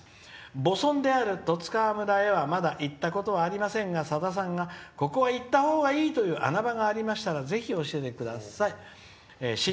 母村である十津川村へはまだ行ったことがありませんがさださんが、ここは行ったほうがいいという穴場がありましたらぜひ教えてください」。